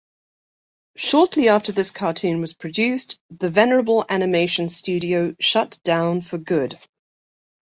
Shortly after this cartoon was produced, the venerable animation studio shut down for good.